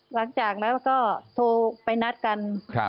หลังจากแล้วก็โทรไปนัดกัน